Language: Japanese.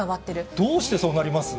どうしてそうなります？